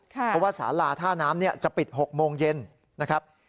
เพราะว่าสาลาท่าน้ำจะปิด๖โมงเย็นนะครับ